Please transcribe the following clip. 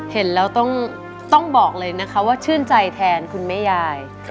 เห็นแล้วต้องบอกเลยนะคะว่าชื่นใจแทนคุณแม่ยาย